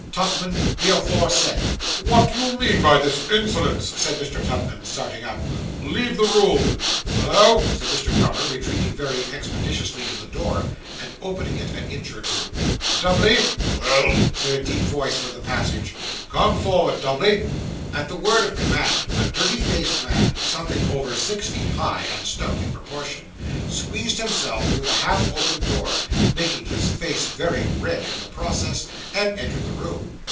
Tupman the aforesaid.' 'What do you mean by this insolence?' said Mr. Tupman, starting up; 'leave the room!' 'Hollo,' said Mr. Grummer, retreating very expeditiously to the door, and opening it an inch or two, 'Dubbley.' 'Well,' said a deep voice from the passage. 'Come for'ard, Dubbley.' At the word of command, a dirty faced man, something over six feet high, and stout in proportion, squeezed himself through the half open door (making his face very red in the process), and entered the room.